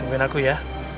tungguin aku ya